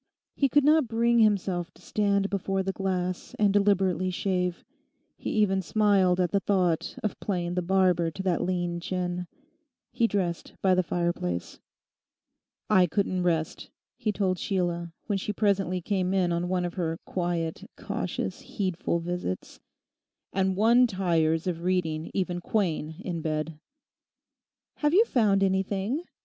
He could not bring himself to stand before the glass and deliberately shave. He even smiled at the thought of playing the barber to that lean chin. He dressed by the fireplace. 'I couldn't rest,' he told Sheila, when she presently came in on one of her quiet, cautious, heedful visits; 'and one tires of reading even Quain in bed.' 'Have you found anything?